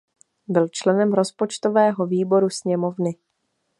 Byl členem rozpočtového výboru sněmovny.